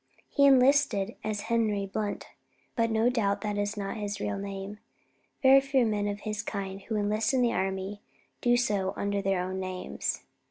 "He enlisted as Harry Blunt, but no doubt that's not his real name. Very few men of his kind, who enlist in the army, do so under their own names."